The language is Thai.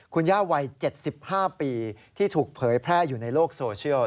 คุณย่าวัย๗๕ปีที่ถูกเผยแพร่อยู่ในโลกโซเชียล